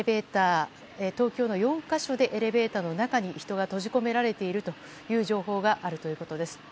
東京の４か所でエレベーターの中に人が閉じ込められているという情報があるということです。